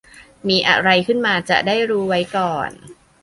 มีอะไรขึ้นมาจะได้รู้ไว้ก่อน